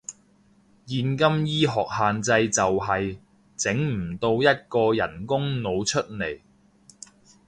現今醫學限制就係，整唔到一個人工腦出嚟